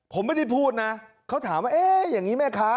ผมไม่ได้พูดนะเขาถามว่าเอ๊ะอย่างนี้แม่ค้า